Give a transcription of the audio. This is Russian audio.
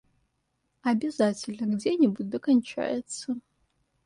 Обязательно где-нибудь да кончается!